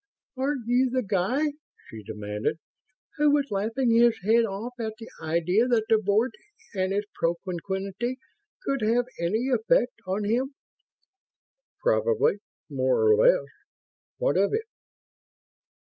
"Aren't you the guy," she demanded, "who was laughing his head off at the idea that the Board and its propinquity could have any effect on him?" "Probably. More or less. What of it?"